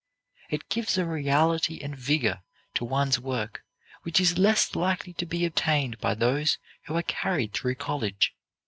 It gives a reality and vigor to one's work which is less likely to be obtained by those who are carried through college.